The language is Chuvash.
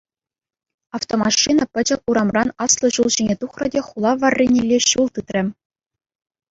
Автомашина пӗчӗк урамран аслӑ ҫул ҫине тухрӗ те хула варринелле ҫул тытрӗ.